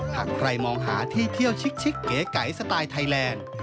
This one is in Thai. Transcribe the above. หากใครมองหาที่เที่ยวชิกเก๋ไก๋สไตล์ไทยแลนด์